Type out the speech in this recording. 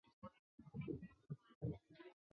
就是多了一分亲切感